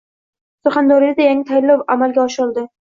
Surxondaryoda yangi tayinlov amalga oshirildi